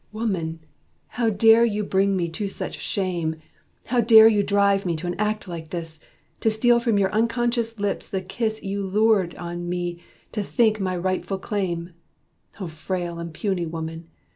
"Woman, how dare you bring me to such shame! How dare you drive me to an act like this, To steal from your unconscious lips the kiss You lured me on to think my rightful claim! O frail and puny woman!